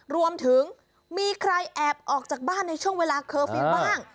รวมถึงมีใครแอบออกจากบ้านในช่วงเวลาเคอร์ฟิลล์บ้าง